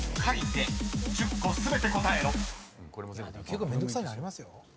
結構めんどくさいのありますよ。